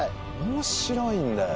面白いんだよ。